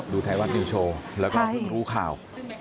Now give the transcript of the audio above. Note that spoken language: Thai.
ดูไทยวันดินโชว์แล้วก็รู้ข่าว